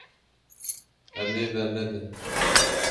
Em ê bernedin.